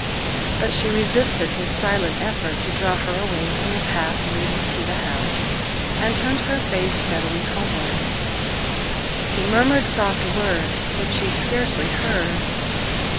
But she resisted his silent effort to draw her away from the path leading to the house, and turned her face steadily homewards. He murmured soft words, which she scarcely heard.